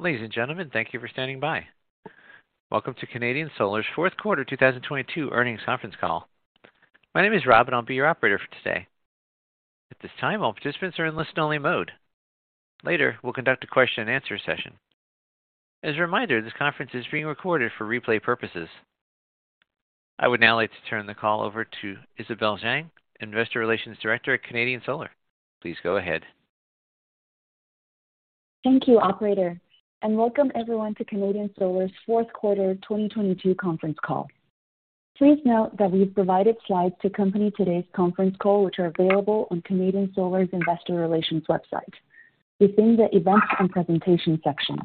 Ladies and gentlemen, thank you for standing by. Welcome to Canadian Solar's fourth quarter 2022 earnings conference call. My name is Rob and I'll be your operator for today. At this time, all participants are in listen only mode. Later, we'll conduct a question-and-answer session. As a reminder, this conference is being recorded for replay purposes. I would now like to turn the call over to Isabel Zhang, Investor Relations Director at Canadian Solar. Please go ahead. Thank you, operator. Welcome everyone to Canadian Solar's fourth quarter 2022 conference call. Please note that we've provided slides to accompany today's conference call, which are available on Canadian Solar's investor relations website within the Events and Presentation section.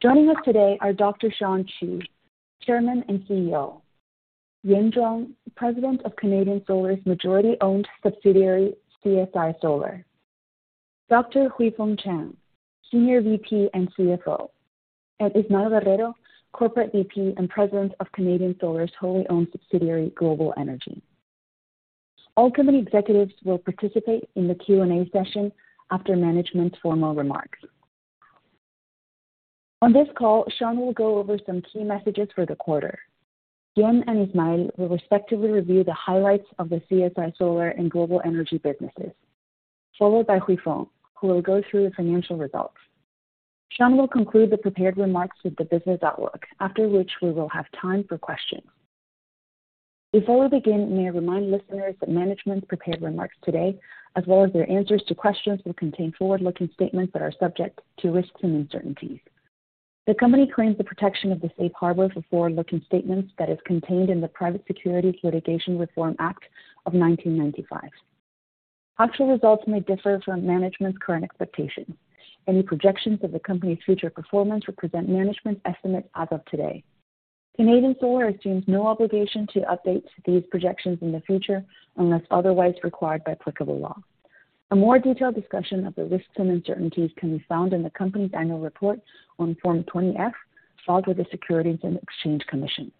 Joining us today are Dr. Shawn Qu, Chairman and CEO. Yan Zhuang, President of Canadian Solar's majority-owned subsidiary, CSI Solar. Dr. Huifeng Chang, Senior VP and CFO. Ismael Guerrero, Corporate VP and President of Canadian Solar's wholly owned subsidiary, Global Energy. All company executives will participate in the Q&A session after management's formal remarks. On this call, Shawn will go over some key messages for the quarter. Yan and Ismael will respectively review the highlights of the CSI Solar and Global Energy businesses, followed by Huifeng, who will go through the financial results. Shawn will conclude the prepared remarks with the business outlook, after which we will have time for questions. Before we begin, may I remind listeners that management's prepared remarks today, as well as their answers to questions, will contain forward-looking statements that are subject to risks and uncertainties. The company claims the protection of the safe harbor for forward-looking statements that is contained in the Private Securities Litigation Reform Act of 1995. Actual results may differ from management's current expectations. Any projections of the company's future performance represent management estimates as of today. Canadian Solar assumes no obligation to update these projections in the future unless otherwise required by applicable law. A more detailed discussion of the risks and uncertainties can be found in the company's annual report on Form 20-F, filed with the Securities and Exchange Commission.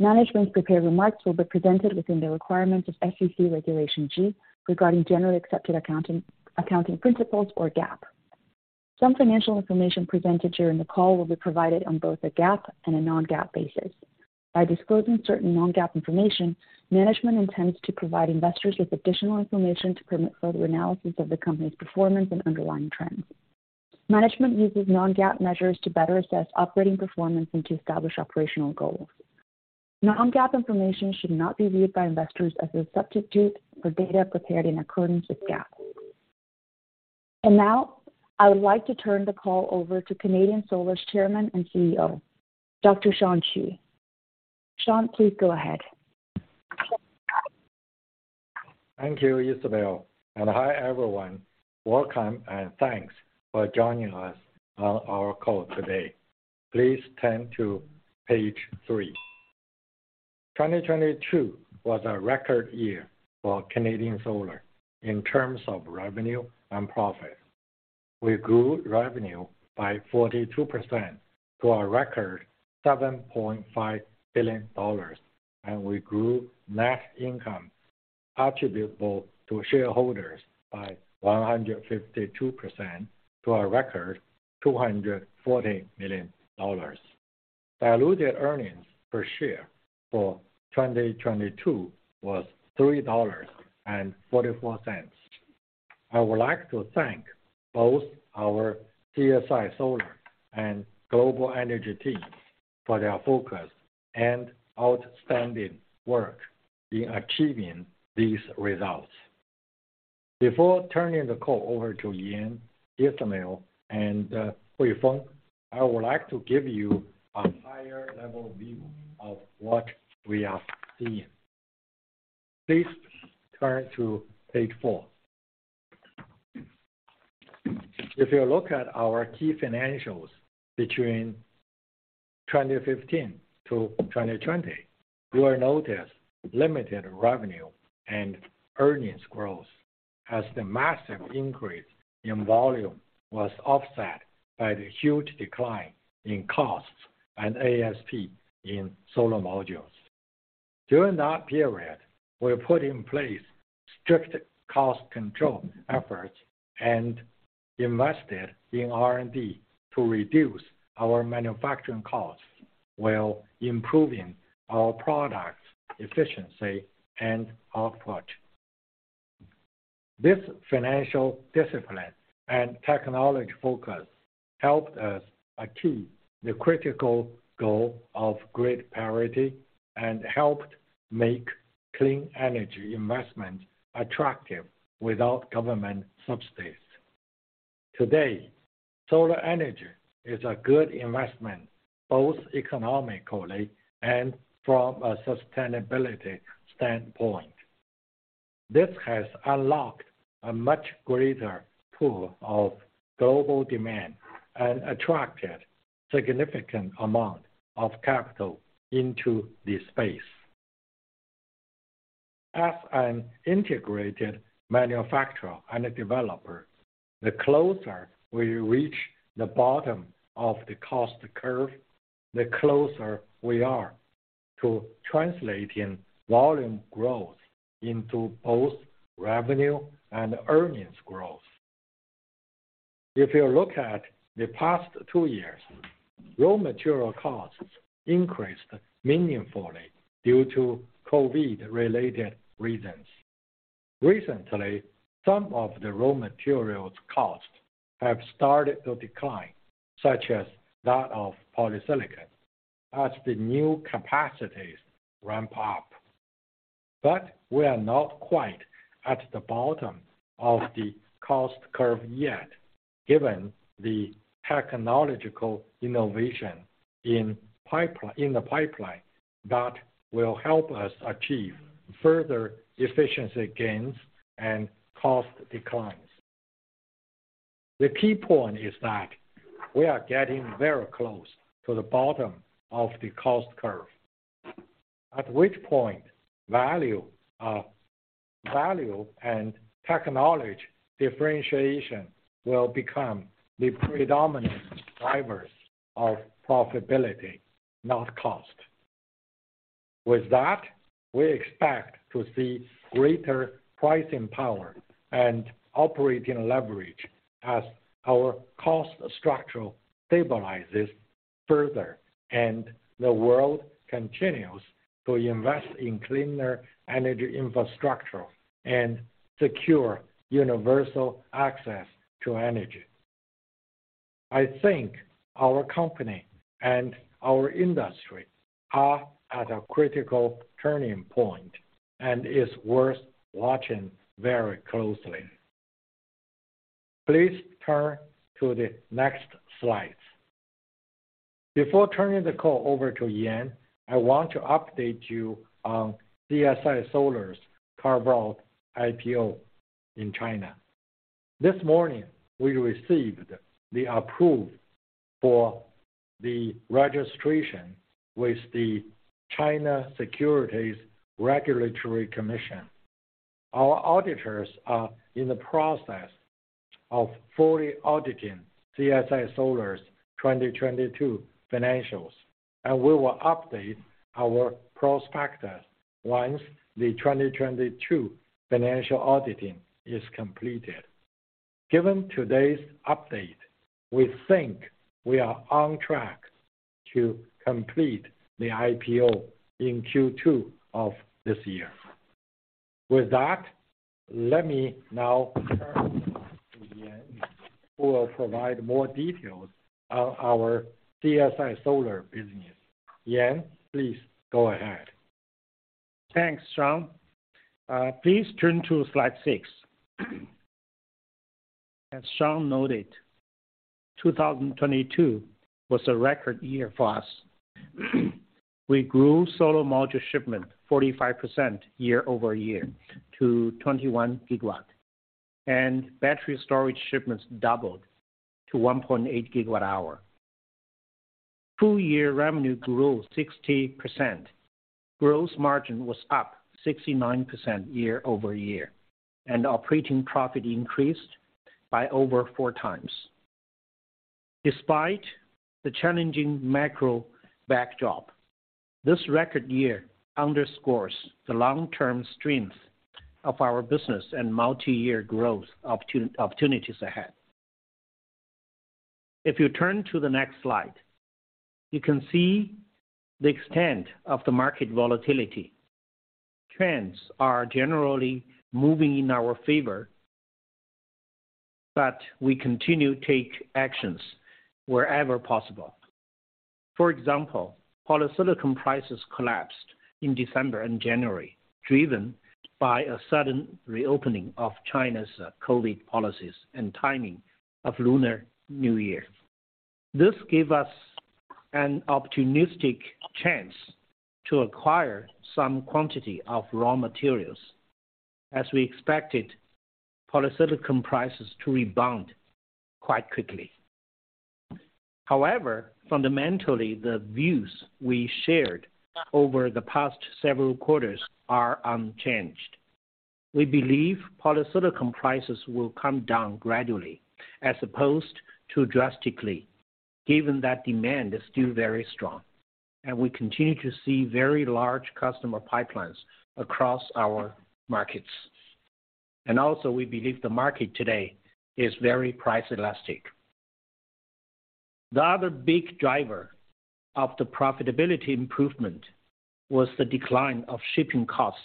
Management's prepared remarks will be presented within the requirements of SEC Regulation G regarding generally accepted accounting principles or GAAP. Some financial information presented during the call will be provided on both a GAAP and a non-GAAP basis. By disclosing certain non-GAAP information, management intends to provide investors with additional information to permit further analysis of the company's performance and underlying trends. Management uses non-GAAP measures to better assess operating performance and to establish operational goals. Non-GAAP information should not be viewed by investors as a substitute for data prepared in accordance with GAAP. Now, I would like to turn the call over to Canadian Solar's Chairman and CEO, Dr. Shawn Qu. Shawn, please go ahead. Thank you, Isabel, and hi, everyone. Welcome and thanks for joining us on our call today. Please turn to page three. 2022 was a record year for Canadian Solar in terms of revenue and profit. We grew revenue by 42% to a record $7.5 billion, and we grew net income attributable to shareholders by 152% to a record $240 million. Diluted earnings per share for 2022 was $3.44. I would like to thank both our CSI Solar and Global Energy teams for their focus and outstanding work in achieving these results. Before turning the call over to Yan, Ismael, and Huifeng, I would like to give you a higher level view of what we are seeing. Please turn to page four. If you look at our key financials between 2015-2020, you will notice limited revenue and earnings growth as the massive increase in volume was offset by the huge decline in costs and ASP in solar modules. During that period, we put in place strict cost control efforts and invested in R&D to reduce our manufacturing costs while improving our product efficiency and output. This financial discipline and technology focus helped us achieve the critical goal of grid parity and helped make clean energy investment attractive without government subsidies. Today, solar energy is a good investment, both economically and from a sustainability standpoint. This has unlocked a much greater pool of global demand and attracted significant amount of capital into this space. As an integrated manufacturer and a developer, the closer we reach the bottom of the cost curve, the closer we are to translating volume growth into both revenue and earnings growth. If you look at the past two years, raw material costs increased meaningfully due to COVID-related reasons. Recently, some of the raw materials costs have started to decline, such as that of polysilicon, as the new capacities ramp up. We are not quite at the bottom of the cost curve yet, given the technological innovation in the pipeline that will help us achieve further efficiency gains and cost declines. The key point is that we are getting very close to the bottom of the cost curve, at which point value and technology differentiation will become the predominant drivers of profitability, not cost. With that, we expect to see greater pricing power and operating leverage as our cost structure stabilizes further, and the world continues to invest in cleaner energy infrastructure and secure universal access to energy. I think our company and our industry are at a critical turning point, and it's worth watching very closely. Please turn to the next slide. Before turning the call over to Yan, I want to update you on CSI Solar's carve-out IPO in China. This morning, we received the approval for the registration with the China Securities Regulatory Commission. Our auditors are in the process of fully auditing CSI Solar's 2022 financials, and we will update our prospectus once the 2022 financial auditing is completed. Given today's update, we think we are on track to complete the IPO in Q2 of this year. With that, let me now turn to Yan, who will provide more details on our CSI Solar business. Yan, please go ahead. Thanks, Shawn. Please turn to slide six. As Shawn noted, 2022 was a record year for us. We grew solar module shipment 45% year-over-year to 21 GW, and battery storage shipments doubled to 1.8 GWh. Full year revenue grew 60%. Gross margin was up 69% year-over-year, and operating profit increased by over 4x. Despite the challenging macro backdrop, this record year underscores the long-term strength of our business and multi-year growth opportunities ahead. If you turn to the next slide, you can see the extent of the market volatility. Trends are generally moving in our favor, but we continue to take actions wherever possible. For example, polysilicon prices collapsed in December and January, driven by a sudden reopening of China's COVID policies and timing of Lunar New Year. This gave us an opportunistic chance to acquire some quantity of raw materials, as we expected polysilicon prices to rebound quite quickly. However, fundamentally, the views we shared over the past several quarters are unchanged. We believe polysilicon prices will come down gradually as opposed to drastically, given that demand is still very strong, and we continue to see very large customer pipelines across our markets. We believe the market today is very price elastic. The other big driver of the profitability improvement was the decline of shipping costs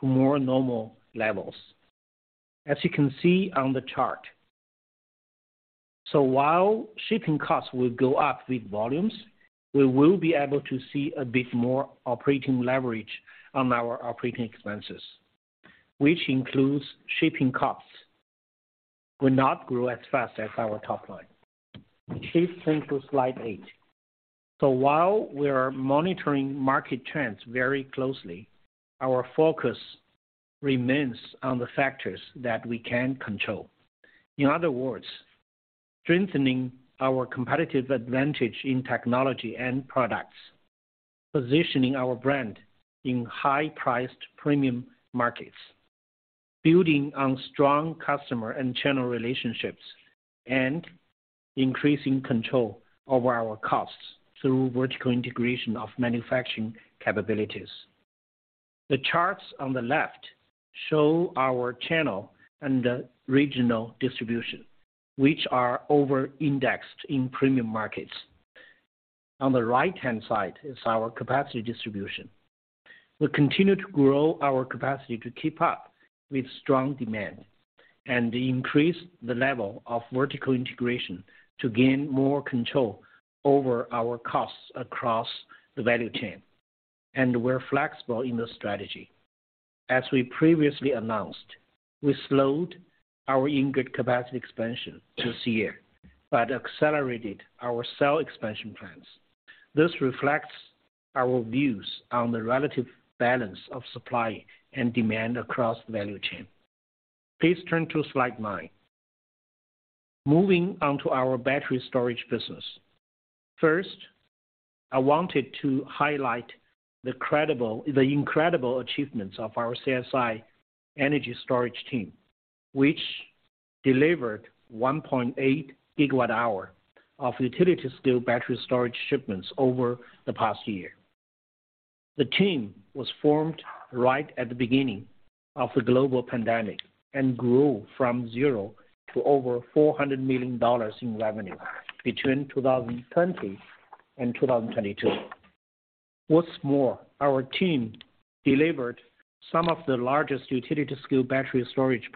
to more normal levels, as you can see on the chart. While shipping costs will go up with volumes, we will be able to see a bit more operating leverage on our operating expenses, which includes shipping costs will not grow as fast as our top line. Please turn to slide eight. While we are monitoring market trends very closely, our focus remains on the factors that we can control. In other words, strengthening our competitive advantage in technology and products, positioning our brand in high-priced premium markets. Building on strong customer and channel relationships and increasing control over our costs through vertical integration of manufacturing capabilities. The charts on the left show our channel and regional distribution, which are over-indexed in premium markets. On the right-hand side is our capacity distribution. We continue to grow our capacity to keep up with strong demand and increase the level of vertical integration to gain more control over our costs across the value chain, and we're flexible in this strategy. As we previously announced, we slowed our ingot capacity expansion this year, but accelerated our cell expansion plans. This reflects our views on the relative balance of supply and demand across the value chain. Please turn to slide nine. Moving on to our battery storage business. First, I wanted to highlight the incredible achievements of our CSI Solar team, which delivered 1.8 GWh of utility-scale battery storage shipments over the past year. The team was formed right at the beginning of the global pandemic and grew from zero to over $400 million in revenue between 2020 and 2022. What's more, our team delivered some of the largest utility-scale battery storage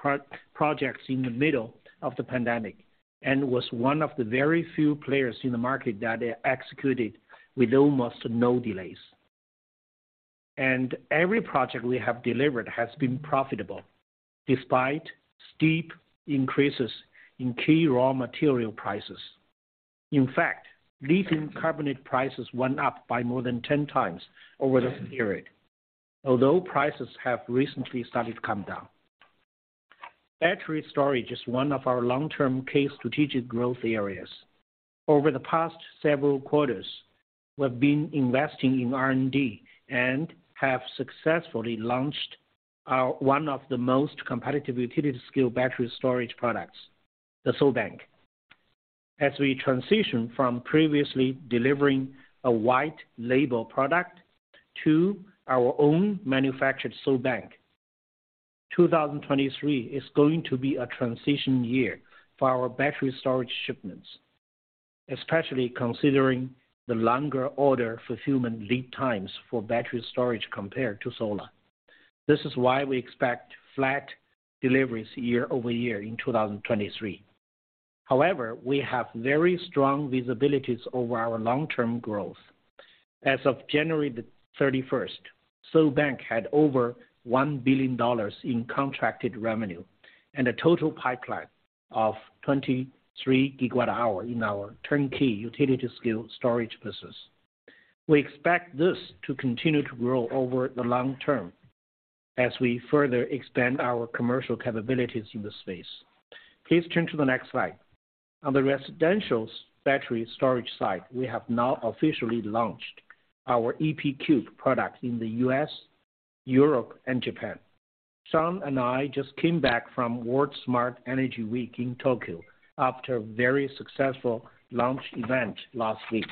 projects in the middle of the pandemic, and was one of the very few players in the market that executed with almost no delays. Every project we have delivered has been profitable, despite steep increases in key raw material prices. In fact, lithium carbonate prices went up by more than 10x over this period. Although prices have recently started to come down. Battery storage is one of our long-term key strategic growth areas. Over the past several quarters, we've been investing in R&D and have successfully launched our one of the most competitive utility-scale battery storage products, the SolBank. As we transition from previously delivering a white label product to our own manufactured SolBank, 2023 is going to be a transition year for our battery storage shipments, especially considering the longer order fulfillment lead times for battery storage compared to solar. This is why we expect flat deliveries year-over-year in 2023. However, we have very strong visibilities over our long-term growth. As of January 31st, SolBank had over $1 billion in contracted revenue and a total pipeline of 23 GWh in our turnkey utility-scale storage business. We expect this to continue to grow over the long term as we further expand our commercial capabilities in this space. Please turn to the next slide. On the residential battery storage side, we have now officially launched our EP Cube product in the U.S., Europe, and Japan. Shawn and I just came back from World Smart Energy Week in Tokyo after a very successful launch event last week.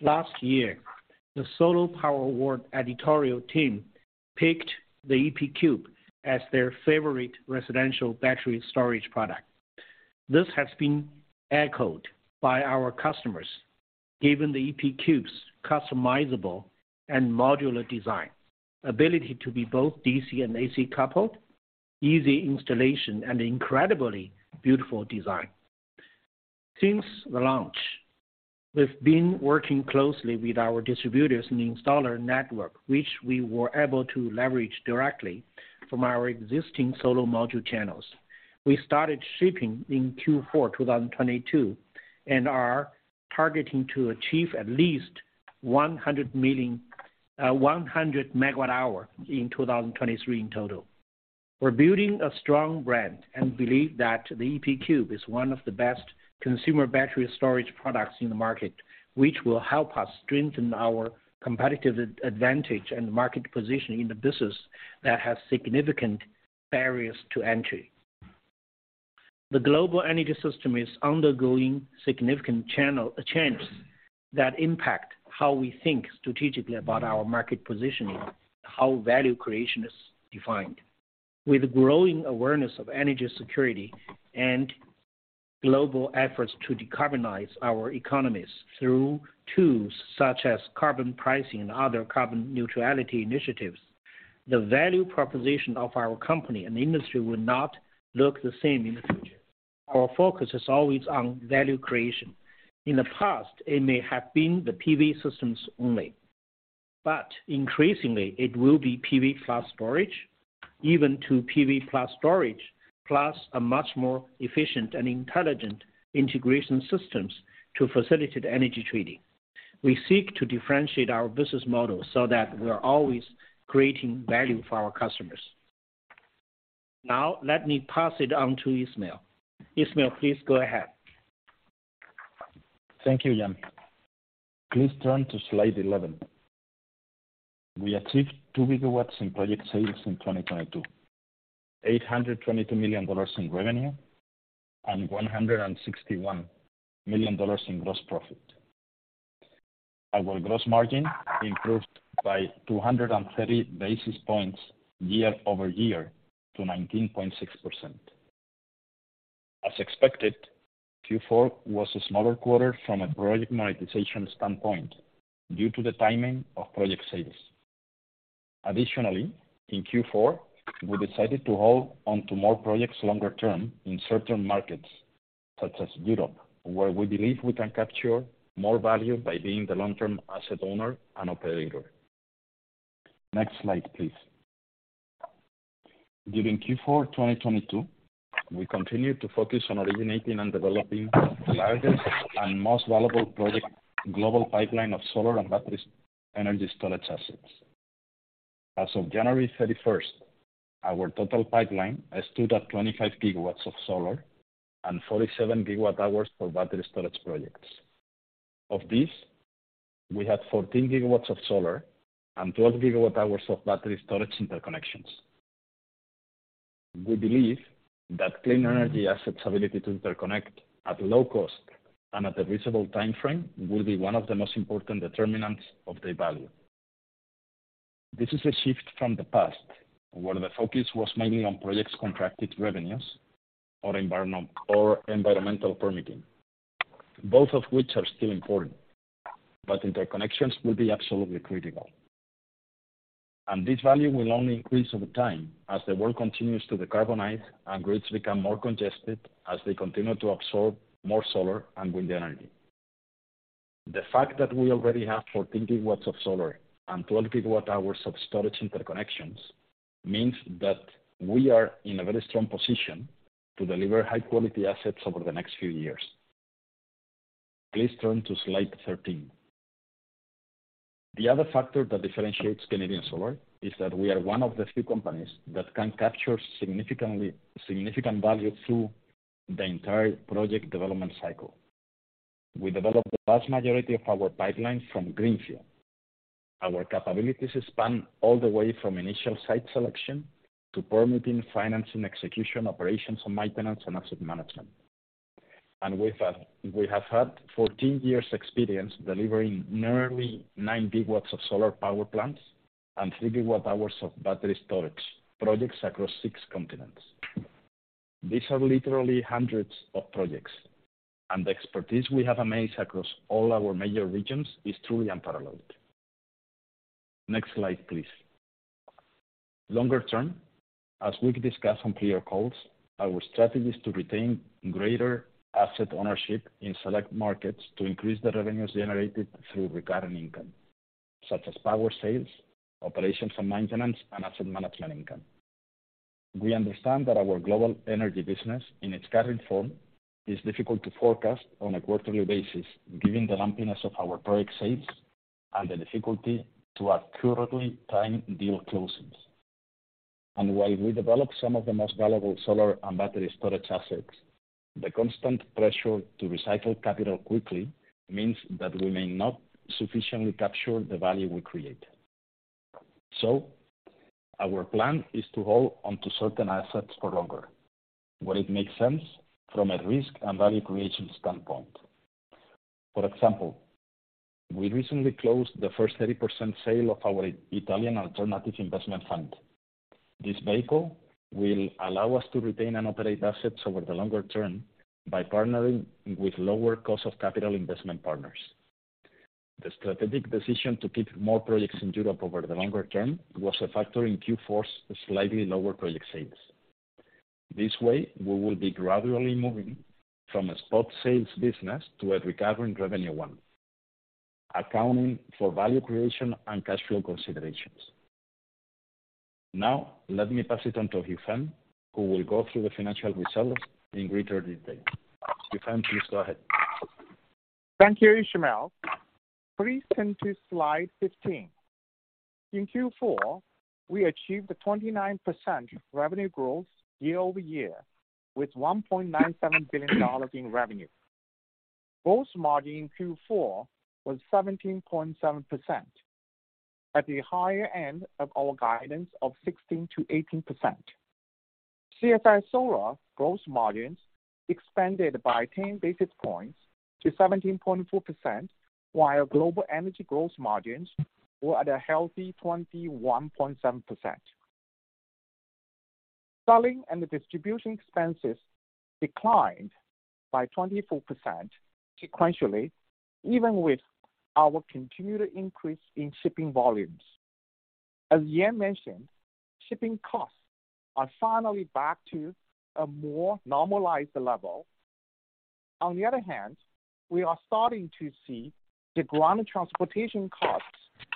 Last year, the Solar Power Award editorial team picked the EP Cube as their favorite residential battery storage product. This has been echoed by our customers, given the EP Cube's customizable and modular design, ability to be both DC and AC coupled, easy installation, and incredibly beautiful design. Since the launch, we've been working closely with our distributors and installer network, which we were able to leverage directly from our existing solar module channels. We started shipping in Q4 2022 and are targeting to achieve at least 100 MWh in 2023 in total. We're building a strong brand and believe that the EP Cube is one of the best consumer battery storage products in the market, which will help us strengthen our competitive advantage and market position in the business that has significant barriers to entry. The global energy system is undergoing significant changes that impact how we think strategically about our market positioning, how value creation is defined. With growing awareness of energy security and global efforts to decarbonize our economies through tools such as carbon pricing and other carbon neutrality initiatives, the value proposition of our company and the industry will not look the same in the future. Our focus is always on value creation. In the past, it may have been the PV systems only, but increasingly, it will be PV plus storage, even to PV plus storage, plus a much more efficient and intelligent integration systems to facilitate energy trading. We seek to differentiate our business model so that we're always creating value for our customers. Let me pass it on to Ismael. Ismael, please go ahead. Thank you, Yan. Please turn to slide 11. We achieved 2 GW in project sales in 2022, $822 million in revenue, and $161 million in gross profit. Our gross margin improved by 230 basis points year-over-year to 19.6%. As expected, Q4 was a smaller quarter from a project monetization standpoint due to the timing of project sales. Additionally, in Q4, we decided to hold onto more projects longer term in certain markets, such as Europe, where we believe we can capture more value by being the long-term asset owner and operator. Next slide, please. During Q4 2022, we continued to focus on originating and developing the largest and most valuable project global pipeline of solar and battery energy storage assets. As of January 31st, our total pipeline stood at 25 GW of solar and 47 GWh for battery storage projects. Of this, we had 14 GW of solar and 12 GWh of battery storage interconnections. We believe that clean energy assets' ability to interconnect at low cost and at a reasonable timeframe will be one of the most important determinants of their value. This is a shift from the past, where the focus was mainly on projects' contracted revenues or environmental permitting, both of which are still important. Interconnections will be absolutely critical. This value will only increase over time as the world continues to decarbonize and grids become more congested as they continue to absorb more solar and wind energy. The fact that we already have 14 GW of solar and 12 GWh of storage interconnections means that we are in a very strong position to deliver high-quality assets over the next few years. Please turn to slide 13. The other factor that differentiates Canadian Solar is that we are one of the few companies that can capture significant value through the entire project development cycle. We developed the vast majority of our pipeline from greenfield. Our capabilities span all the way from initial site selection to permitting, financing, execution, operations and maintenance, and asset management. We have had 14 years experience delivering nearly 9 GW of solar power plants and 3 GW hours of battery storage projects across six continents. These are literally hundreds of projects. The expertise we have amassed across all our major regions is truly unparalleled. Next slide, please. Longer term, as we've discussed on prior calls, our strategy is to retain greater asset ownership in select markets to increase the revenues generated through recurring income, such as power sales, operations and maintenance, and asset management income. We understand that our Global Energy business in its current form is difficult to forecast on a quarterly basis, given the lumpiness of our project sales and the difficulty to accurately time deal closings. While we develop some of the most valuable solar and battery storage assets, the constant pressure to recycle capital quickly means that we may not sufficiently capture the value we create. Our plan is to hold onto certain assets for longer, where it makes sense from a risk and value creation standpoint. For example, we recently closed the first 30% sale of our Italian alternative investment fund. This vehicle will allow us to retain and operate assets over the longer term by partnering with lower cost of capital investment partners. The strategic decision to keep more projects in Europe over the longer term was a factor in Q4's slightly lower project sales. This way, we will be gradually moving from a spot sales business to a recurring revenue one, accounting for value creation and cash flow considerations. Let me pass it on to Huifeng, who will go through the financial results in greater detail. Huifeng, please go ahead. Thank you, Ismael. Please turn to slide 15. In Q4, we achieved a 29% revenue growth year-over-year with $1.97 billion in revenue. Gross margin in Q4 was 17.7%, at the higher end of our guidance of 16%-18%. CSI Solar gross margins expanded by 10 basis points to 17.4%, while Global Energy gross margins were at a healthy 21.7%. Selling and distribution expenses declined by 24% sequentially, even with our continued increase in shipping volumes. As Yan mentioned, shipping costs are finally back to a more normalized level. On the other hand, we are starting to see the ground transportation costs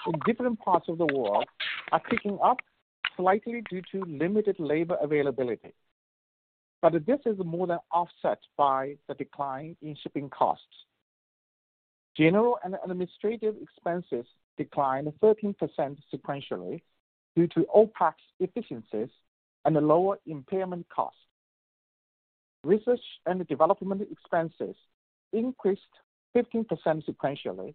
in different parts of the world are ticking up slightly due to limited labor availability. This is more than offset by the decline in shipping costs. General and administrative expenses declined 13% sequentially due to OpEx efficiencies and a lower impairment cost. Research and development expenses increased 15% sequentially,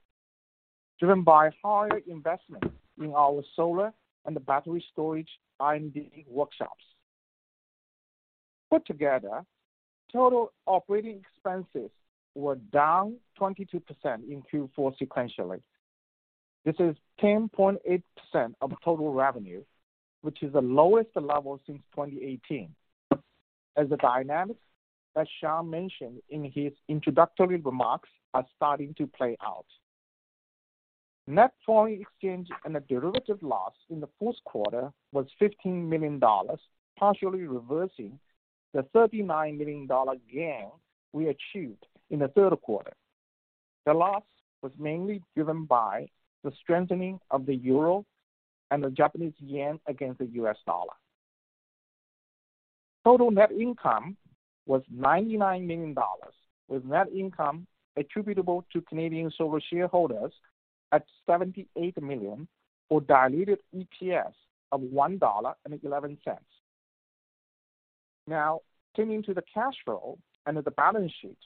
driven by higher investment in our solar and battery storage R&D workshops. Put together, total operating expenses were down 22% in Q4 sequentially. This is 10.8% of total revenue, which is the lowest level since 2018 as the dynamics that Shawn mentioned in his introductory remarks are starting to play out. Net foreign exchange and the derivative loss in the first quarter was $15 million, partially reversing the $39 million gain we achieved in the third quarter. The loss was mainly driven by the strengthening of the euro and the Japanese yen against the US dollar. Total net income was $99 million, with net income attributable to Canadian Solar shareholders at $78 million, for diluted EPS of $1.11. Now turning to the cash flow and the balance sheet.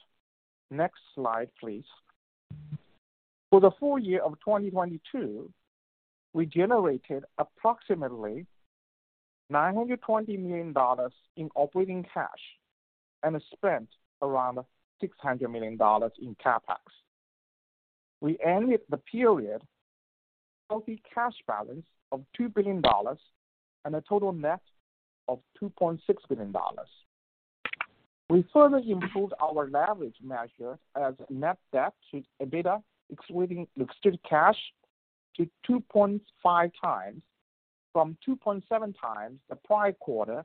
Next slide, please. For the full year of 2022, we generated approximately $920 million in operating cash and spent around $600 million in CapEx. We ended the period with a healthy cash balance of $2 billion and a total net of $2.6 billion. We further improved our leverage measure as net debt to EBITDA excluding liquidity cash to 2.5x from 2.7x the prior quarter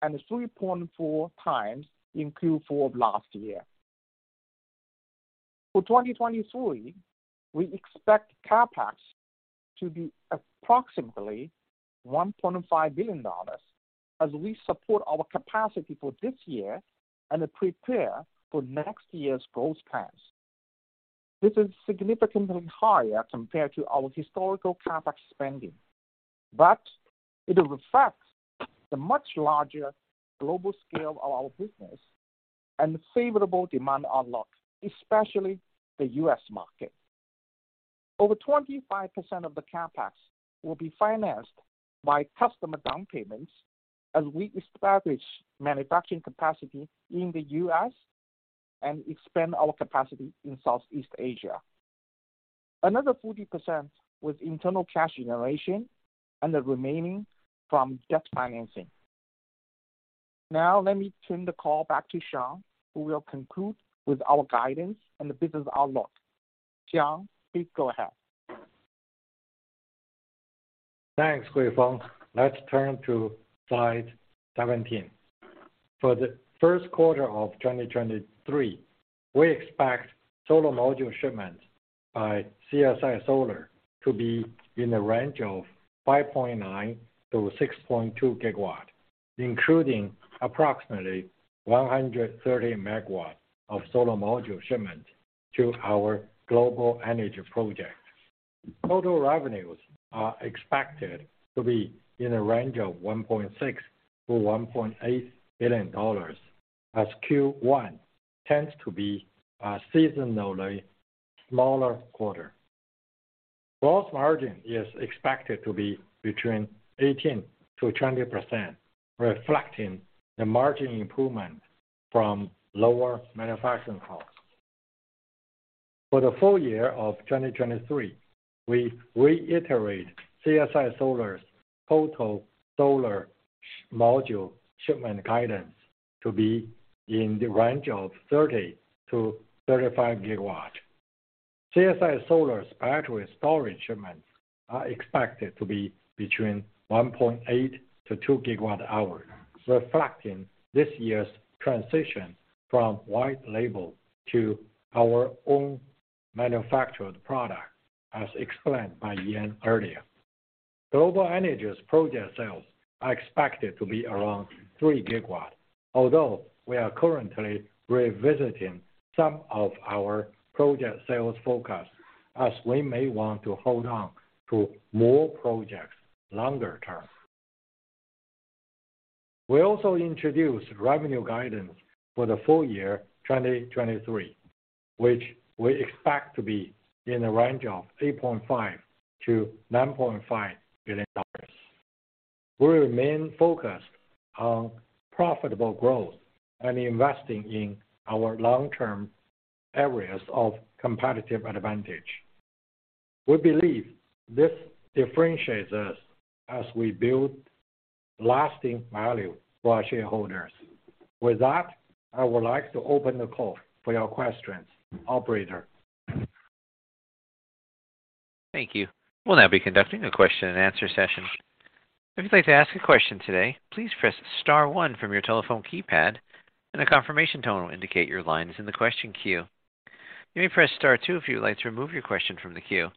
and 3.4x in Q4 of last year. For 2023, we expect CapEx to be approximately $1.5 billion as we support our capacity for this year and prepare for next year's growth plans. This is significantly higher compared to our historical CapEx spending, but it reflects the much larger global scale of our business and favorable demand outlook, especially the US market. Over 25% of the CapEx will be financed by customer down payments as we establish manufacturing capacity in the US and expand our capacity in Southeast Asia. Another 40% with internal cash generation and the remaining from debt financing. Let me turn the call back to Shawn, who will conclude with our guidance and the business outlook. Shawn, please go ahead. Thanks, Huifeng. Let's turn to slide 17. For the Q1 2023, we expect solar module shipments by CSI Solar to be in the range of 5.9-6.2 GW, including approximately 130 MW of solar module shipments to our Global Energy project. Total revenues are expected to be in a range of $1.6 billion-$1.8 billion, as Q1 tends to be a seasonally smaller quarter. Gross margin is expected to be between 18%-20%, reflecting the margin improvement from lower manufacturing costs. For the full year of 2023, we reiterate CSI Solar's total solar module shipment guidance to be in the range of 30-35 GW. CSI Solar's battery storage shipments are expected to be between 1.8-2 GWh, reflecting this year's transition from white label to our own manufactured product, as explained by Yan earlier. Global Energy's project sales are expected to be around 3 GW, although we are currently revisiting some of our project sales forecast as we may want to hold on to more projects longer term. We also introduced revenue guidance for the full year 2023, which we expect to be in the range of $8.5 billion-$9.5 billion. We remain focused on profitable growth and investing in our long-term areas of competitive advantage. We believe this differentiates us as we build lasting value for our shareholders. With that, I would like to open the call for your questions. Operator? Thank you. We'll now be conducting a question and answer session. If you'd like to ask a question today, please press star one from your telephone keypad and a confirmation tone will indicate your line is in the question queue. You may press star two if you would like to remove your question from the queue.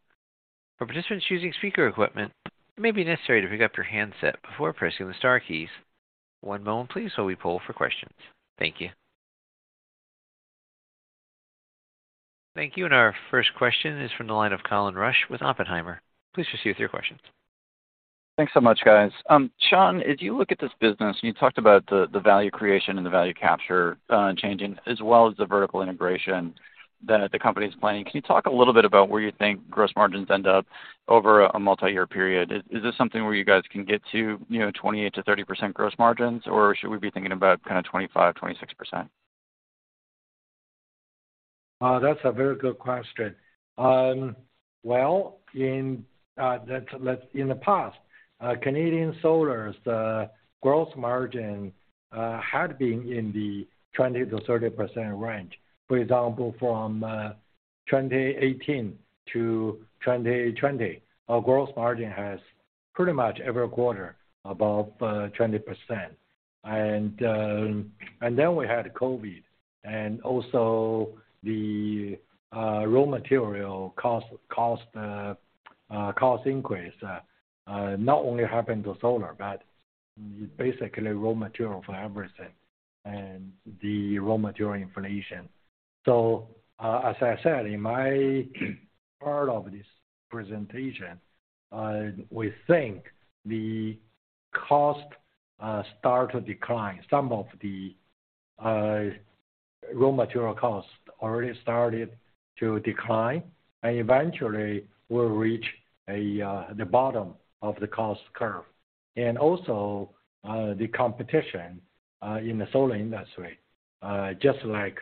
For participants using speaker equipment, it may be necessary to pick up your handset before pressing the star keys. One moment please while we poll for questions. Thank you. Thank you. Our first question is from the line of Colin Rusch with Oppenheimer. Please proceed with your questions. Thanks so much, guys. Shawn Qu, as you look at this business, and you talked about the value creation and the value capture, changing as well as the vertical integration that the company is planning. Can you talk a little bit about where you think gross margins end up over a multi-year period? Is, is this something where you guys can get to, you know, 28%-30% gross margins, or should we be thinking about kind of 25%, 26%? That's a very good question. Well, in the past, Canadian Solar's gross margin had been in the 20%-30% range. For example, from 2018-2020, our gross margin has pretty much every quarter above 20%. Then we had COVID and also the raw material cost increase, not only happened to solar, but basically raw material for everything and the raw material inflation. As I said in my part of this presentation, we think the cost start to decline. Some of the raw material costs already started to decline and eventually will reach the bottom of the cost curve. Also, the competition in the solar industry, just like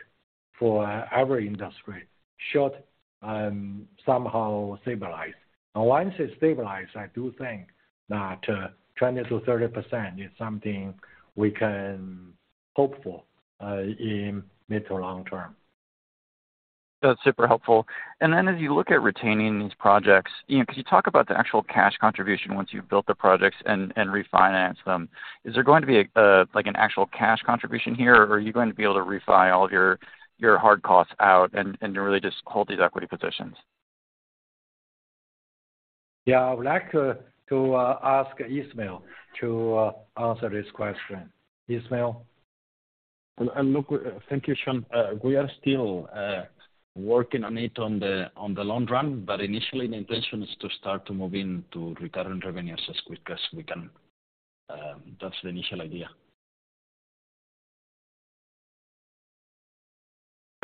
for every industry should somehow stabilize. Once it stabilize, I do think that, 20%-30% is something we can hope for, in mid to long term. That's super helpful. Then as you look at retaining these projects, you know, could you talk about the actual cash contribution once you've built the projects and refinance them? Is there going to be a, like an actual cash contribution here, or are you going to be able to refi all of your hard costs out and to really just hold these equity positions? Yeah. I would like to ask Ismael to answer this question. Ismael? Thank you, Shawn. We are still working on it on the long run, but initially the intention is to start to move into recurring revenues as quick as we can. That's the initial idea.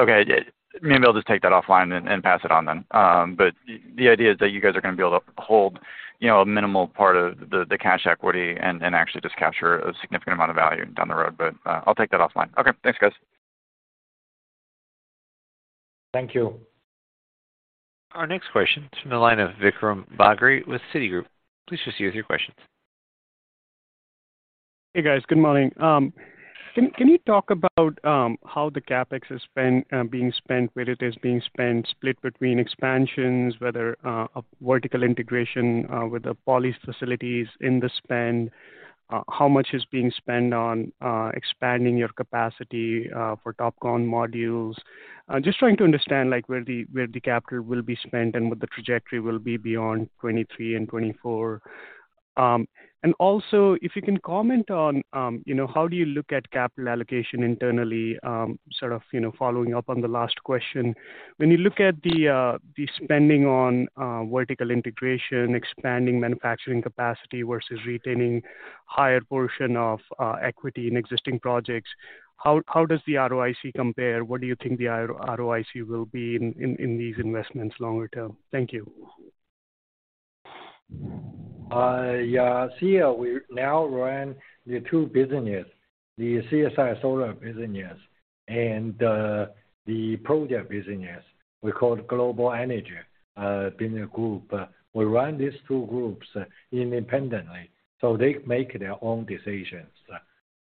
Okay. Maybe I'll just take that offline and pass it on then. The idea is that you guys are gonna be able to hold, you know, a minimal part of the cash equity and actually just capture a significant amount of value down the road. I'll take that offline. Okay. Thanks, guys. Thank you. Our next question is from the line of Vikram Bagri with Citigroup. Please proceed with your questions. Hey, guys. Good morning. Can you talk about how the CapEx is spent, being spent, where it is being spent, split between expansions, whether a vertical integration with the polys facilities in the spend, how much is being spent on expanding your capacity for TOPCon modules? Just trying to understand like where the capital will be spent and what the trajectory will be beyond 2023 and 2024. Also if you can comment on, you know, how do you look at capital allocation internally, sort of, you know, following up on the last question. When you look at the spending on vertical integration, expanding manufacturing capacity versus retaining higher portion of equity in existing projects, how does the ROIC compare? What do you think the ROIC will be in these investments longer term? Thank you. Yeah. See, we now run the two business, the CSI Solar business and the project business we call Global Energy business group. We run these two groups independently, so they make their own decisions.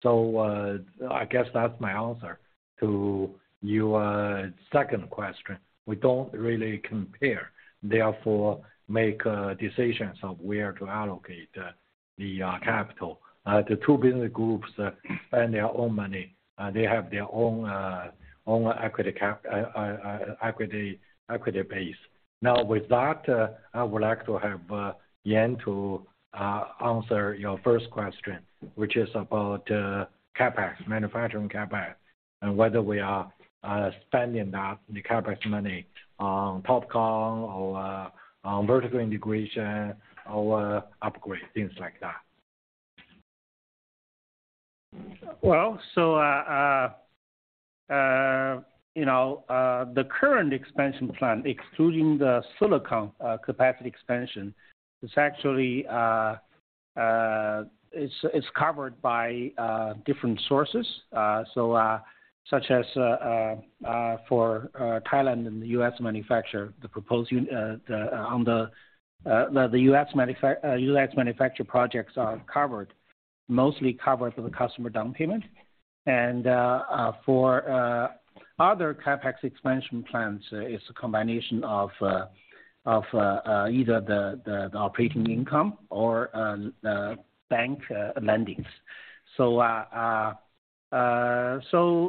I guess that's my answer to your second question. We don't really compare, therefore make decisions of where to allocate the capital. The two business groups spend their own money. They have their own equity base. With that, I would like to have Yan to answer your first question, which is about CapEx, manufacturing CapEx, and whether we are spending that, the CapEx money on TOPCon or on vertical integration or upgrade, things like that. Well, you know, the current expansion plan, excluding the silicon capacity expansion, is actually it's covered by different sources. Such as for Thailand and the US manufacture, the proposed unit, the US manufacture projects are covered, mostly covered with the customer down payment. For other CapEx expansion plans, it's a combination of either the operating income or bank lendings.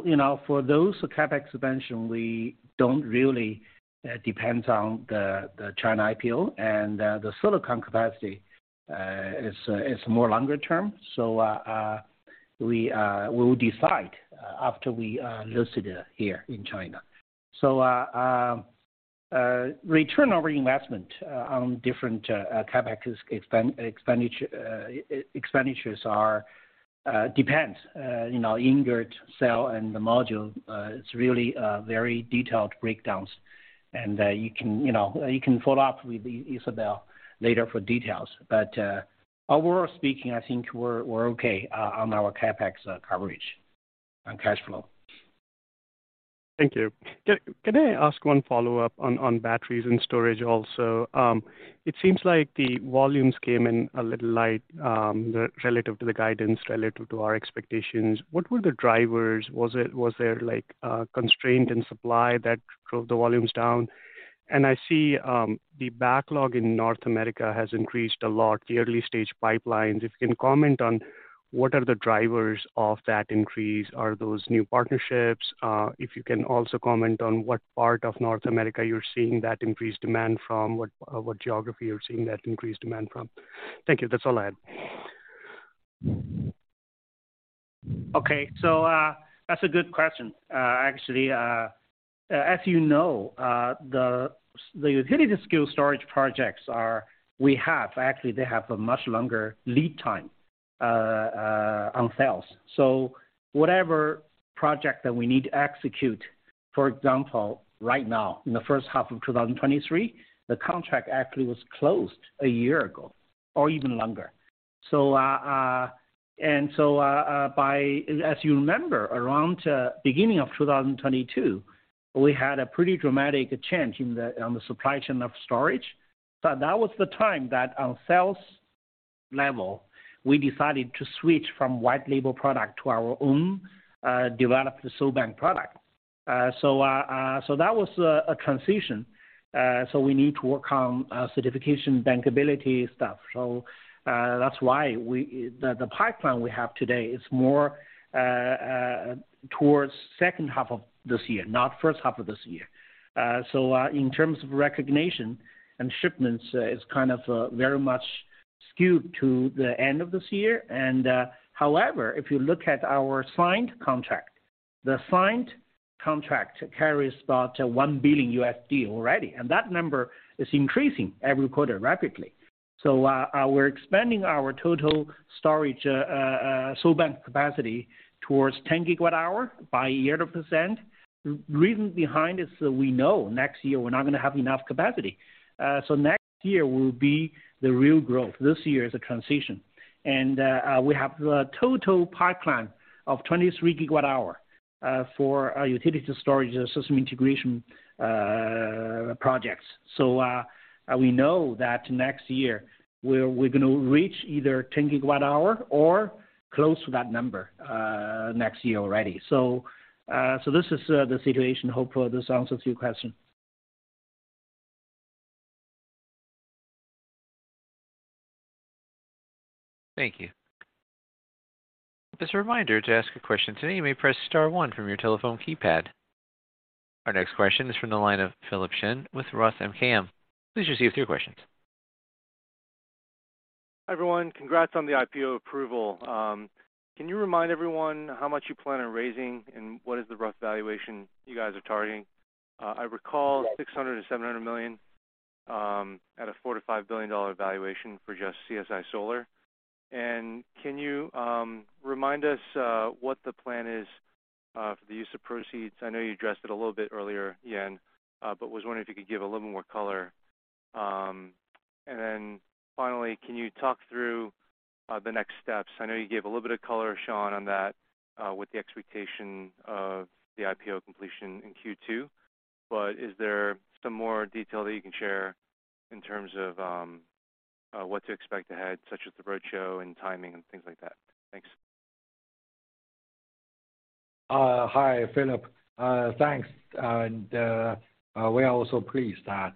You know, for those CapEx expansion, we don't really depends on the China IPO. The silicon capacity is more longer term. We will decide after we are listed here in China. Return on investment on different CapEx expenditures are depends, you know, ingot, cell and the module. It's really very detailed breakdowns. You can, you know, you can follow up with Isabel later for details. Overall speaking, I think we're okay on our CapEx coverage and cash flow. Thank you. Can I ask one follow-up on batteries and storage also? It seems like the volumes came in a little light, relative to the guidance, relative to our expectations. What were the drivers? Was there, like, a constraint in supply that drove the volumes down? I see the backlog in North America has increased a lot, the early-stage pipelines. If you can comment on what are the drivers of that increase. Are those new partnerships? If you can also comment on what part of North America you're seeing that increased demand from. What geography you're seeing that increased demand from. Thank you. That's all I had. Okay. That's a good question. Actually, as you know, the utility scale storage projects are... we have. Actually, they have a much longer lead time on sales. Whatever project that we need to execute, for example, right now, in the first half of 2023, the contract actually was closed a year ago or even longer. As you remember, around beginning of 2022, we had a pretty dramatic change in the, on the supply chain of storage. That was the time that on sales level, we decided to switch from white label product to our own developed SolBank product. So that was a transition. So we need to work on certification, bankability stuff. That's why the pipeline we have today is more towards second half of this year, not first half of this year. In terms of recognition and shipments, it's kind of very much skewed to the end of this year and. However, if you look at our signed contract, the signed contract carries about $1 billion already, and that number is increasing every quarter rapidly. We're expanding our total storage SolBank capacity towards 10 GWh by year end. The reason behind is that we know next year we're not gonna have enough capacity. Next year will be the real growth. This year is a transition. We have the total pipeline of 23 GWh for our utility storage system integration projects. We know that next year we're gonna reach either 10 GWh or close to that number next year already. This is the situation. Hopefully, this answers your question. Thank you. Just a reminder, to ask a question today, you may press star one from your telephone keypad. Our next question is from the line of Philip Shen with Roth MKM. Please proceed with your questions. Hi, everyone. Congrats on the IPO approval. Can you remind everyone how much you plan on raising, and what is the rough valuation you guys are targeting? I recall $600 million-$700 million at a $4 billion-$5 billion valuation for just CSI Solar. Can you remind us what the plan is for the use of proceeds? I know you addressed it a little bit earlier, Yan, but was wondering if you could give a little more color. Finally, can you talk through the next steps? I know you gave a little bit of color, Shawn, on that, with the expectation of the IPO completion in Q2. Is there some more detail that you can share in terms of, what to expect ahead, such as the roadshow and timing and things like that? Thanks. Hi, Philip. Thanks. We are also pleased that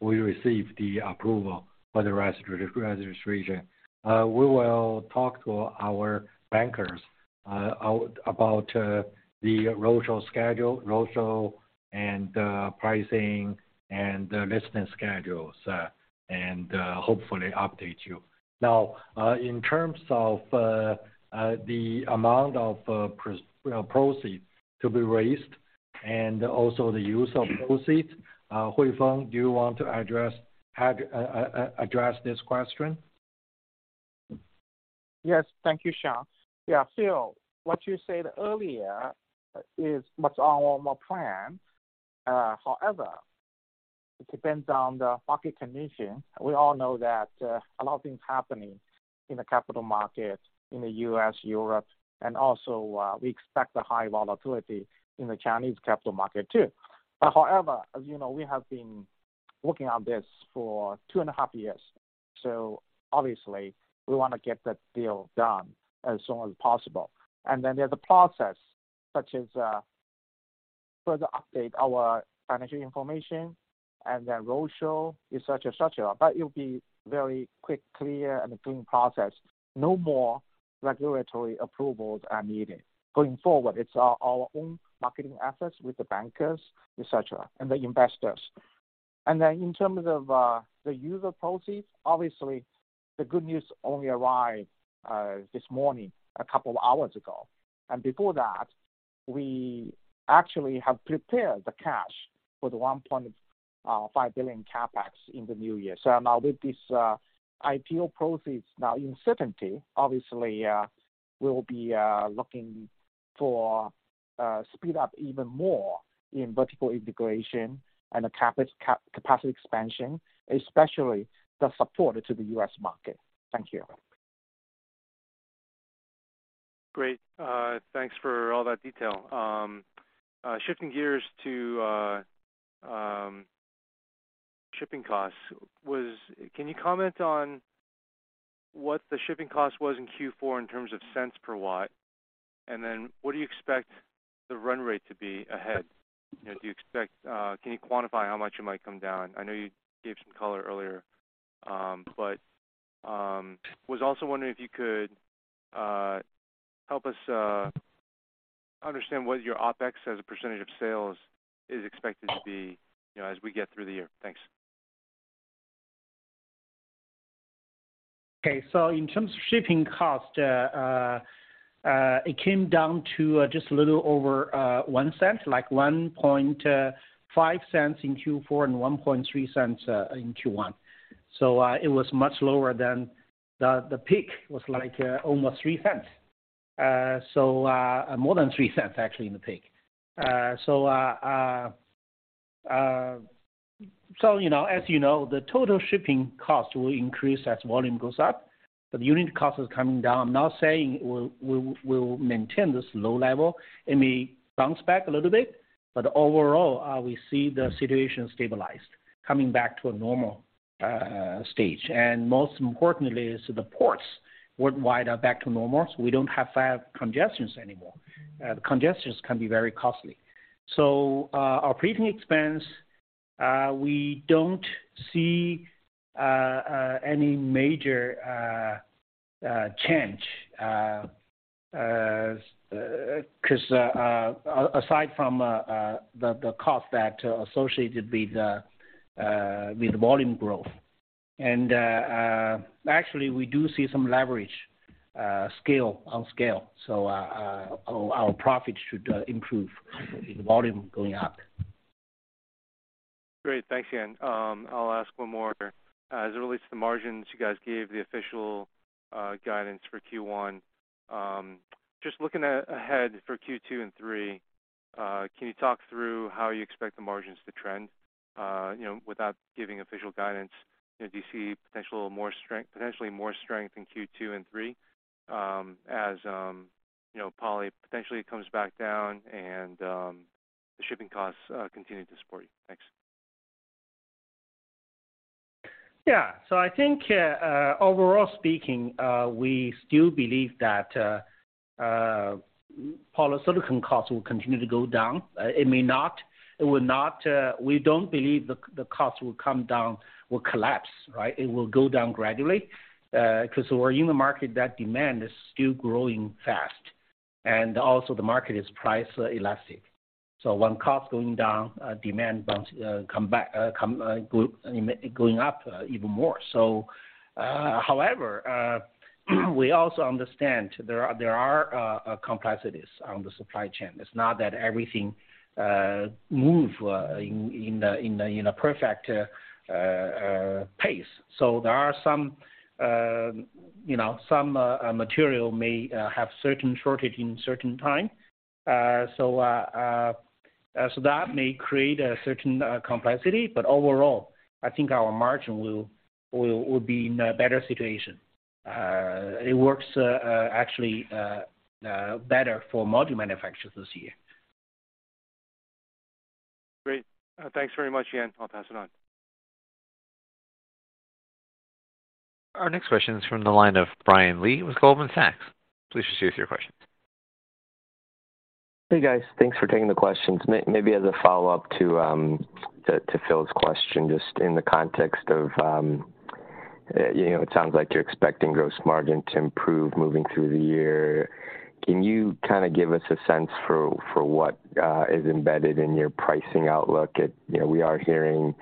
we received the approval for the registration. We will talk to our bankers about the roadshow schedule, roadshow and pricing and the listing schedules, and hopefully update you. Now, in terms of the amount of proceeds to be raised and also the use of proceeds, Huifeng, do you want to address this question? Yes. Thank you, Shawn. Yeah. Philip, what you said earlier is what's our normal plan. However, it depends on the market condition. We all know that a lot of things happening in the capital market in the U.S., Europe, and also we expect the high volatility in the Chinese capital market too. However, as you know, we have been working on this for two and a half years, obviously we wanna get the deal done as soon as possible. There's a process such as. Further update our financial information and the roadshow, et cetera, et cetera. It'll be very quick, clear, and clean process. No more regulatory approvals are needed. Going forward, it's our own marketing efforts with the bankers, et cetera, and the investors. In terms of the user proceeds, obviously the good news only arrived this morning, a couple of hours ago. Before that, we actually have prepared the cash for the $1.5 billion CapEx in the new year. Now with this IPO proceeds now in certainty, obviously, we'll be looking for speed up even more in vertical integration and capacity expansion, especially the support into the US market. Thank you. Great. Thanks for all that detail. Shifting gears to shipping costs. Can you comment on what the shipping cost was in Q4 in terms of cents per watt? What do you expect the run rate to be ahead? You know, do you expect? Can you quantify how much it might come down? I know you gave some color earlier. Was also wondering if you could help us understand what your OpEx as a percentage of sales is expected to be, you know, as we get through the year. Thanks. Okay. In terms of shipping cost, it came down to just a little over $0.01, like $0.015 in Q4 and $0.013 in Q1. It was much lower than the peak, was like almost $0.03. You know, as you know, the total shipping cost will increase as volume goes up, but the unit cost is coming down. I'm not saying we'll maintain this low level. It may bounce back a little bit, but overall, we see the situation stabilized, coming back to a normal stage. Most importantly is the ports worldwide are back to normal, so we don't have congestions anymore. The congestions can be very costly. Our freight expense, we don't see any major change 'cause aside from the cost that associated with the volume growth. Actually we do see some leverage, scale, on scale. Our profits should improve with volume going up. Great. Thanks, Yan. I'll ask one more. As it relates to the margins, you guys gave the official guidance for Q1. Just looking ahead for Q2 and Q3, can you talk through how you expect the margins to trend? You know, without giving official guidance, you know, do you see potentially more strength in Q2 and Q3, as, you know, poly potentially comes back down and the shipping costs continue to support you? Thanks. I think overall speaking, we still believe that polysilicon costs will continue to go down. It may not, it will not. We don't believe the cost will come down, will collapse, right? It will go down gradually 'cause we're in a market that demand is still growing fast, and also the market is price elastic. When cost going down, demand bounce, come back, going up even more. However, we also understand there are complexities on the supply chain. It's not that everything move in a perfect pace. There are some, you know, some material may have certain shortage in certain time. That may create a certain complexity. Overall, I think our margin will be in a better situation. It works, actually, better for module manufacturers this year. Great. Thanks very much, Yan. I'll pass it on. Our next question is from the line of Brian Lee with Goldman Sachs. Please proceed with your question. Hey, guys. Thanks for taking the questions. Maybe as a follow-up to Phil's question, just in the context of, you know, it sounds like you're expecting gross margin to improve moving through the year. Can you kind of give us a sense for what is embedded in your pricing outlook. You know, we are hearing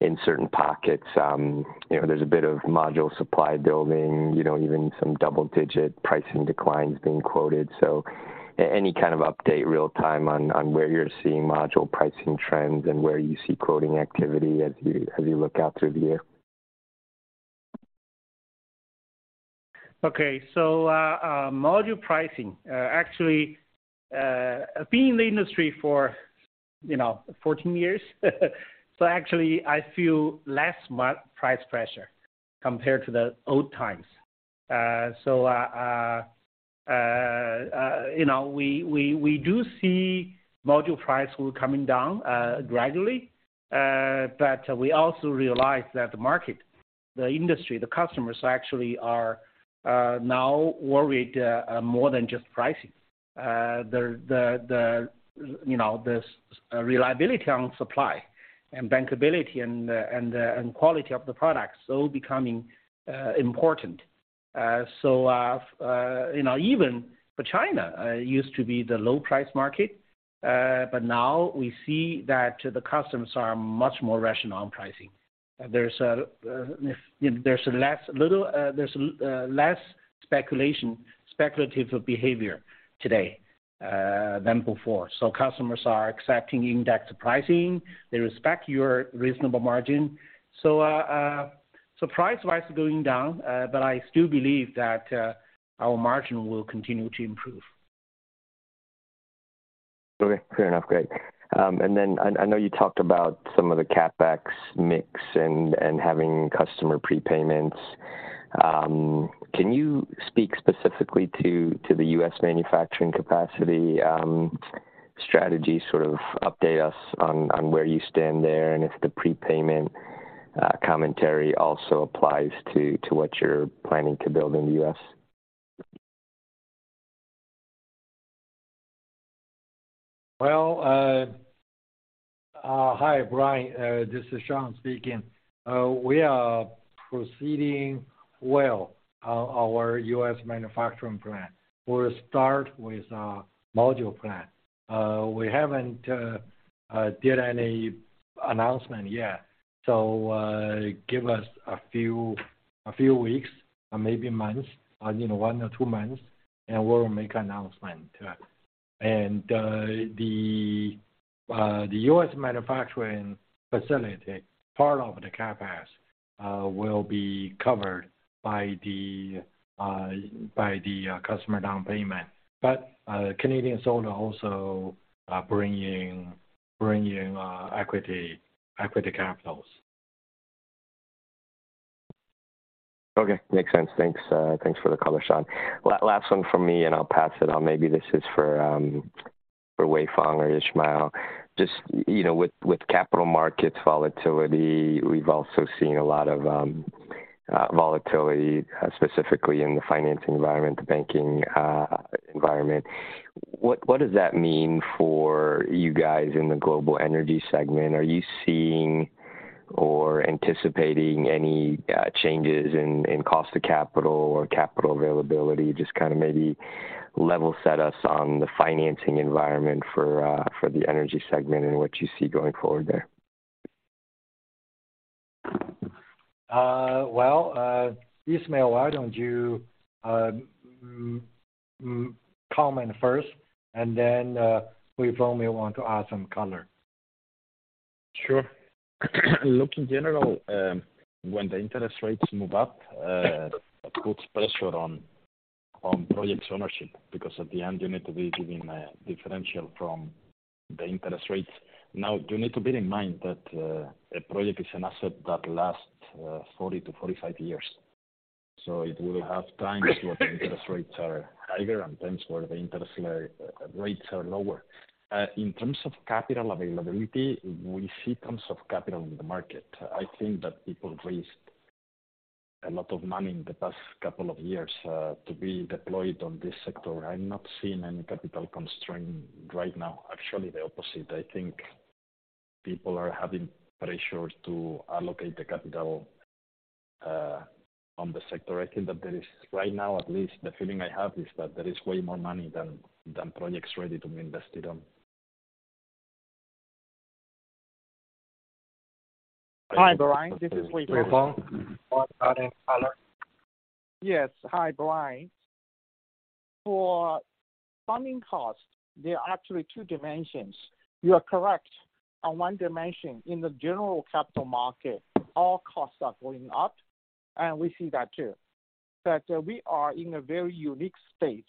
in certain pockets, you know, there's a bit of module supply building, you know, even some double-digit pricing declines being quoted. Any kind of update real time on where you're seeing module pricing trends and where you see quoting activity as you, as you look out through the year? Okay. Module pricing, actually, being in the industry for, you know, 14 years, so actually I feel less price pressure compared to the old times. You know, we do see module price will coming down gradually. We also realize that The industry, the customers actually are now worried more than just pricing. The, you know, this reliability on supply and bankability and quality of the products is all becoming important. You know, even for China, used to be the low price market, now we see that the customers are much more rational on pricing. There's less speculation, speculative behavior today than before. Customers are accepting index pricing. They respect your reasonable margin. Price-wise is going down, but I still believe that our margin will continue to improve. Okay. Fair enough. Great. I know you talked about some of the CapEx mix and having customer prepayments. Can you speak specifically to the U.S. manufacturing capacity, strategy? Sort of update us on where you stand there and if the prepayment, commentary also applies to what you're planning to build in the U.S.? Well, hi, Brian. This is Shawn speaking. We are proceeding well on our U.S. manufacturing plant. We'll start with our module plant. We haven't did any announcement yet, give us a few weeks or maybe months, you know, one or two months, and we'll make announcement. The U.S. manufacturing facility, part of the CapEx, will be covered by the customer down payment. Canadian Solar also are bringing equity capitals. Okay. Makes sense. Thanks, thanks for the color, Shawn. Last one from me, and I'll pass it on. Maybe this is for for Huifeng or Ismael. Just, you know, with capital markets volatility, we've also seen a lot of volatility specifically in the financing environment, the banking environment. What does that mean for you guys in the Global Energy segment? Are you seeing or anticipating any changes in cost to capital or capital availability? Just kinda maybe level set us on the financing environment for for the energy segment and what you see going forward there. Well, Ismael, why don't you comment first, and then, Huifeng may want to add some color. Sure. Look, in general, when the interest rates move up, it puts pressure on projects ownership, because at the end, you need to be giving a differential from the interest rates. Now, you need to bear in mind that a project is an asset that lasts 40-45 years. It will have times where the interest rates are higher and times where the interest rates are lower. In terms of capital availability, we see tons of capital in the market. I think that people raised a lot of money in the past couple of years, to be deployed on this sector. I'm not seeing any capital constraint right now. Actually, the opposite. I think people are having pressures to allocate the capital on the sector. I think that there is, right now at least, the feeling I have, is that there is way more money than projects ready to be invested on. Hi, Brian. This is Huifeng. Huifeng. Want to add any color? Yes. Hi, Brian. For funding costs, there are actually two dimensions. You are correct on one dimension. In the general capital market, all costs are going up, and we see that too. We are in a very unique space.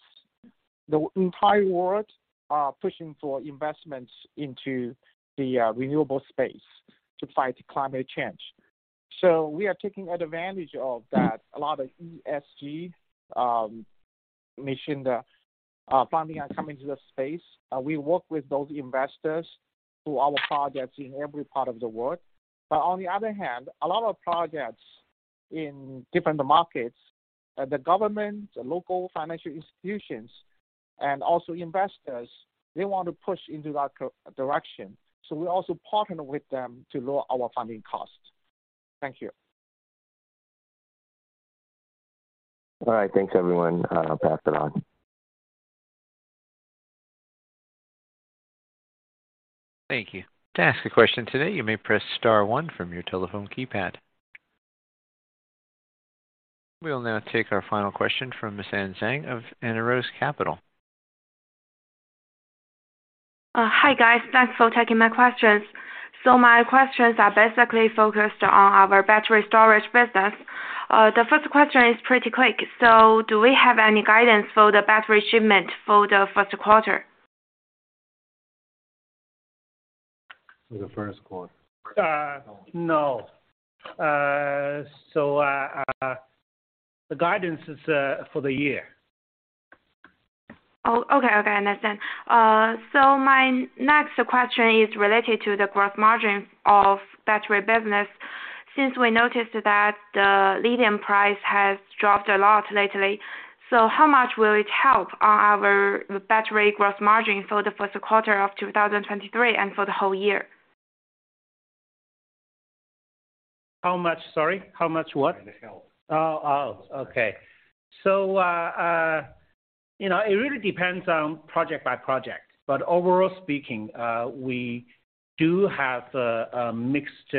The entire world are pushing for investments into the renewable space to fight climate change, we are taking advantage of that. A lot of ESG mission funding are coming to the space. We work with those investors through our projects in every part of the world. On the other hand, a lot of projects in different markets, the government, the local financial institutions and also investors, they want to push into that direction. We also partner with them to lower our funding costs. Thank you. All right. Thanks, everyone. I'll pass it on. Thank you. To ask a question today, you may press star one from your telephone keypad. We'll now take our final question from Miss Anne Zhang of Anarose Capital. Hi, guys. Thanks for taking my questions. My questions are basically focused on our battery storage business. The first question is pretty quick. Do we have any guidance for the battery shipment for the first quarter? For the first quarter? No. The guidance is for the year. Oh, okay, I understand. My next question is related to the growth margin of battery business. Since we noticed that the lithium price has dropped a lot lately, how much will it help on our battery growth margin for the first quarter of 2023 and for the whole year? How much? Sorry, how much what? It helped. Okay. You know, it really depends on project by project, but overall speaking, we do have a mixed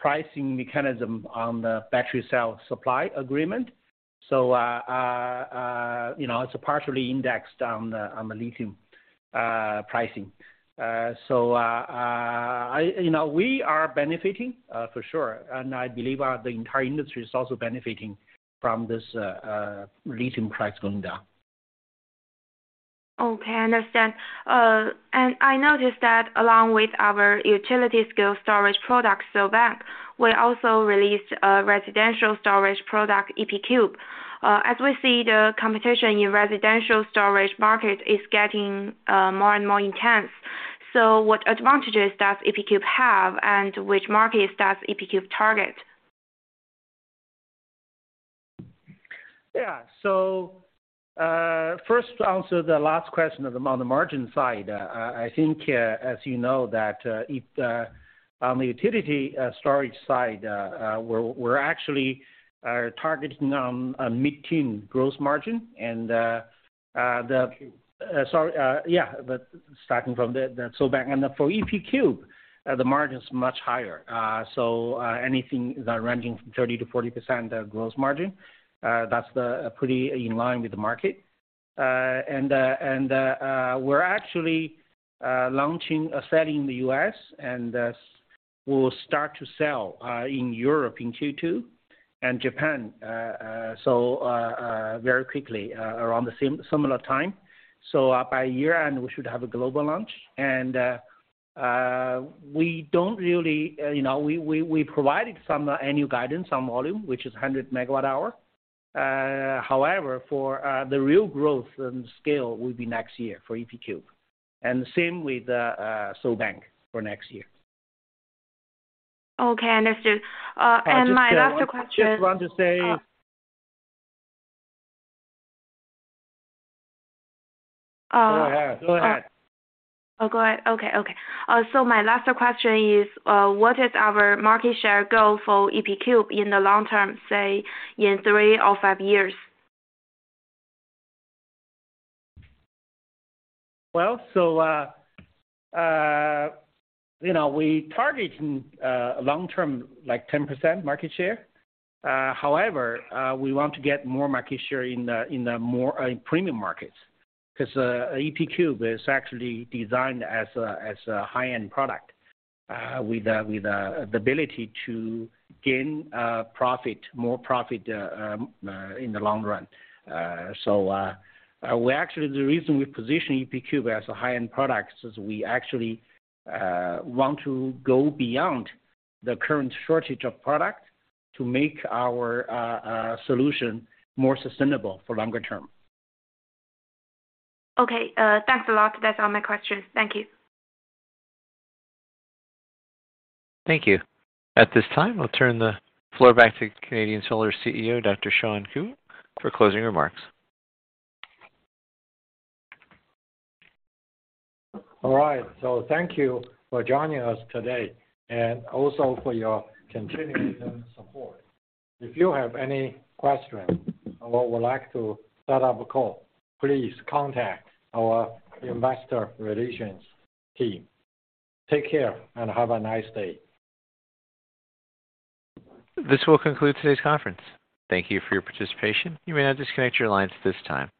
pricing mechanism on the battery cell supply agreement. You know, we are benefiting for sure, and I believe the entire industry is also benefiting from this lithium price going down. Okay, I understand. I noticed that along with our utility scale storage product, SolBank, we also released a residential storage product, EP Cube. We see the competition in residential storage market is getting more and more intense. What advantages does EP Cube have, and which markets does EP Cube target? Yeah. first to answer the last question on the margin side, I think, as you know that, if, on the utility storage side, we're actually targeting on a mid-teen growth margin and. EP Cube. Starting from the SolBank. For EP Cube, the margin's much higher. Anything that ranging from 30%-40% of growth margin, that's pretty in line with the market. We're actually launching a set in the U.S. and we'll start to sell in Europe in Q2 and Japan, so very quickly around the similar time. By year end, we should have a global launch. We don't really, you know, we provided some annual guidance on volume, which is 100 MWh. However, for the real growth and scale will be next year for EP Cube. The same with SolBank for next year. Okay, understood. My last question. I just want to say. Uh. Go ahead. Go ahead. Oh, go ahead? Okay, okay. My last question is, what is our market share goal for EP Cube in the long term, say, in three or five years? Well, you know, we target in long term, like 10% market share. However, we want to get more market share in the more premium markets. 'Cause EP Cube is actually designed as a high-end product, with the ability to gain profit, more profit, in the long run. The reason we position EP Cube as a high-end product is we actually want to go beyond the current shortage of product to make our solution more sustainable for longer term. Okay, thanks a lot. That's all my questions. Thank you. Thank you. At this time, I'll turn the floor back to Canadian Solar's CEO, Dr. Shawn Qu, for closing remarks. All right. Thank you for joining us today and also for your continuous support. If you have any questions or would like to set up a call, please contact our investor relations team. Take care and have a nice day. This will conclude today's conference. Thank you for your participation. You may now disconnect your lines at this time.